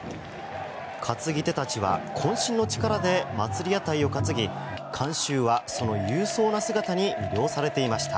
担ぎ手たちはこん身の力で祭り屋台を担ぎ観衆はその勇壮な姿に魅了されていました。